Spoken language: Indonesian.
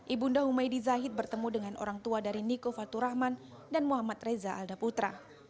ibunda humaydi zahid bertemu dengan orang tua dari niko faturahman dan muhammad reza alda putra